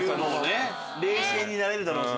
冷静になれるだろうし。